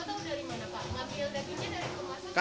bapak tahu dari mana pak